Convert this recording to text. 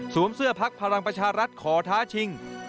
สวมเสื้อภักดิ์พลังประชารัฐขอท้าชิง